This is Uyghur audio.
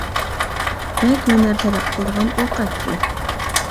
بەك ھۈنەر تەلەپ قىلىدىغان ئوقەت بۇ.